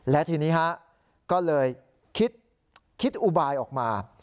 และทีนี้ฮะก็เลยคิดอุบายออกมา